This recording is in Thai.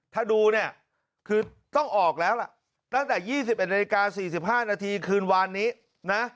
ถ้าดูเนี่ยคือต้องออกแล้วล่ะตั้งแต่๒๑นาฬิกา๔๕นาทีคืนวานนี้นะ